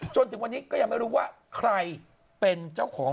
จนถึงวันนี้ก็ยังไม่รู้ว่าใครเป็นเจ้าของ